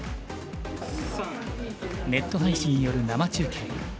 ネット配信による生中継。